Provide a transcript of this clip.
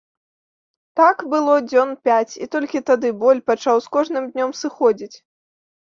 Так было дзён пяць, і толькі тады боль пачаў з кожным днём сыходзіць.